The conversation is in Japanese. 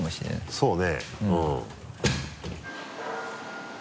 そうね。